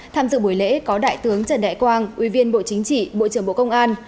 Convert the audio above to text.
tham dự buổi lễ có đại tướng trần đại quang ủy viên bộ chính trị bộ trưởng bộ công an